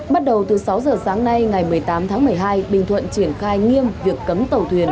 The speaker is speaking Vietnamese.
bắt đầu từ sáu giờ sáng nay ngày một mươi tám tháng một mươi hai bình thuận triển khai nghiêm việc cấm tàu thuyền